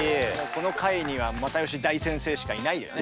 この回には又吉大先生しかいないよね。